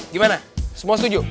gimana semua setuju